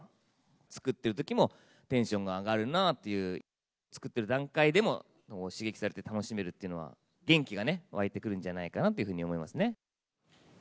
作ってるときもテンションが上がるなっていう、作っている段階でも、刺激されて楽しめるっていうのは元気がね、湧いてくるんじゃないかなというふうに思いますね。